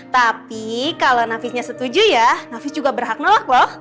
tapi kalau nafisnya setuju ya nafis juga berhak menolak loh